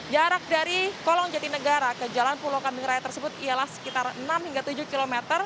jarak dari kolong jatinegara ke jalan pulau kambing raya tersebut ialah sekitar enam hingga tujuh km